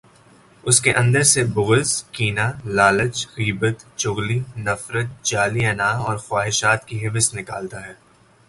اس کے اندر سے بغض، کینہ، لالچ، غیبت، چغلی، نفرت، جعلی انااور خواہشات کی ہوس نکالتا ہے۔